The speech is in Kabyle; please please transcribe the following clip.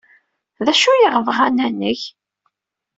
D acu ay aɣ-bɣan ad neg?